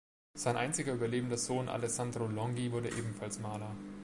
Sein einziger überlebender Sohn Alessandro Longhi wurde ebenfalls Maler.